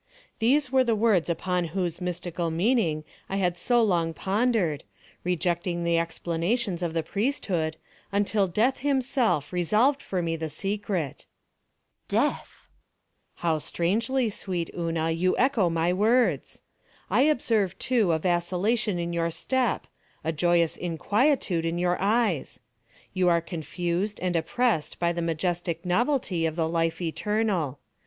These were the words upon whose mystical meaning I had so long pondered, rejecting the explanations of the priesthood, until Death himself resolved for me the secret. Una. Death! Monos. How strangely, sweet Una, you echo my words! I observe, too, a vacillation in your step—a joyous inquietude in your eyes. You are confused and oppressed by the majestic novelty of the Life Eternal.